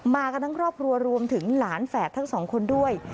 มากันทั้งครอบครัวรวมถึงหลานแฝดทั้งสองคนด้วย